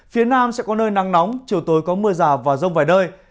phía nam sẽ có nơi nắng nóng chiều tối có mưa rào và rông vài nơi